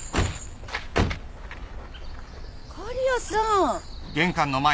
狩矢さん！